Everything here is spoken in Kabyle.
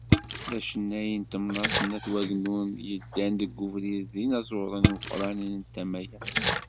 D acennay n temnaḍt n At Wagennun, yeddan deg ubrid n yinaẓuren imeqranen n tama-a.